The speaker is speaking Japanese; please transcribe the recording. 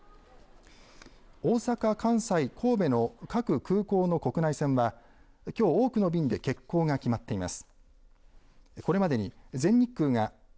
大阪、関西、神戸の各空港の国内線はきょう、多くの便で欠航が決まっています。